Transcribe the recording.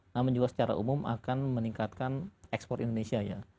namun juga secara umum akan meningkatkan ekspor indonesia ya